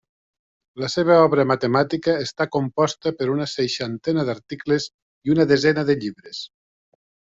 La seva obra matemàtica està composta per una seixantena d'articles i una desena de llibres.